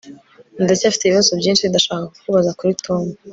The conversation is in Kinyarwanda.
Ndacyafite ibibazo byinshi ndashaka kukubaza kuri Tom